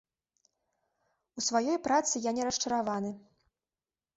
У сваёй працы я не расчараваны.